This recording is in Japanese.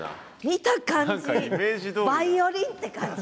見た感じバイオリンって感じ。